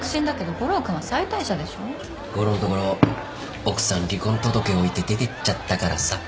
悟郎ん所奥さん離婚届置いて出てっちゃったからさ。